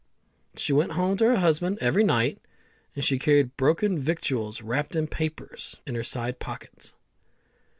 She went home to her husband every night, and she carried broken victuals wrapped in papers in her side pockets.